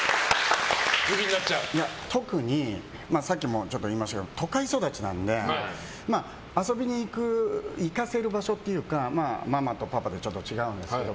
特に、さっきも言いましたけど都会育ちなので遊びに行かせる場所というかママとパパでちょっと違うんですけど。